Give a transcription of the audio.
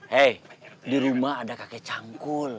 hei di rumah ada kakek cangkul